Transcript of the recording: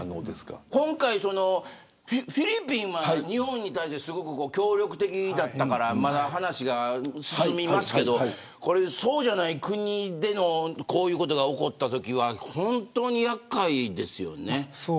今回フィリピンは日本に対して協力的だったからまだ話が進みましたけどそうじゃない国でのこういうことが起きたとき本当に厄介ですよね。